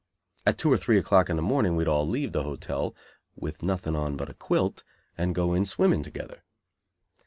At two or three o'clock in the morning we'd all leave the hotel, with nothing on but a quilt, and go in swimming together.